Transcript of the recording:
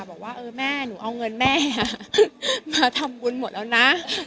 บอกว่าเออแม่หนูเอาเงินแม่มาทำบุญหมดแล้วนะ